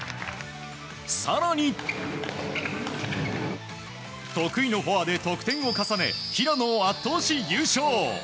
更に得意のフォアで得点を重ね平野を圧倒し、優勝。